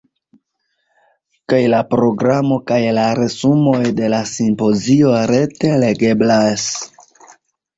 Kaj la programo kaj la resumoj de la simpozio rete legeblas.